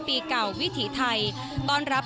ปีเก่าวิถีไทยต้อนรับ